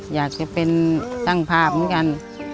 อยากจะเป็นช่างภาพเหมือนกัน